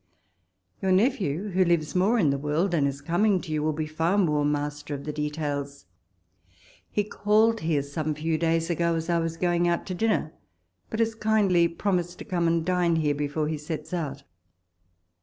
Your nephew, who lives more in the world, and is coming to you, will be far more master of the details. He called here some few days ago, as walpole's letters. 171 I was going out to dinner, but has kindly pro mised to come and dine liere before he sets out.